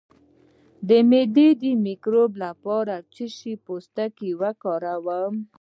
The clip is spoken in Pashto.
د معدې د مکروب لپاره د څه شي پوستکی وکاروم؟